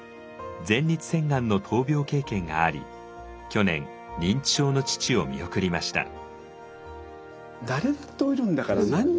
前立腺がんの闘病経験があり去年認知症の父を見送りました。